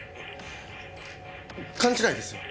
勘違いですよ。